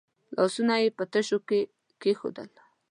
لاسونه یې په تشو کې کېښودل.